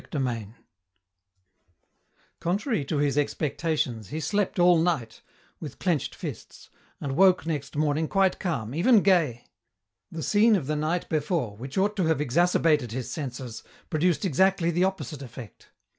CHAPTER XI Contrary to his expectations, he slept all night, with clenched fists, and woke next morning quite calm, even gay. The scene of the night before, which ought to have exacerbated his senses, produced exactly the opposite effect.